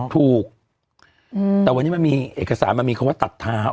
ถูกแต่วันนี้มันมีเอกสารมันมีคำว่าตัดเท้า